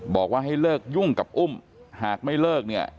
บอกว่าให้เลิกยุ่งกับอุ้มหากไม่เลิกเนี่ย